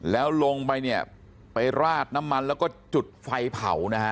แล้วลงไปเนี่ยไปราดน้ำมันแล้วก็จุดไฟเผานะฮะ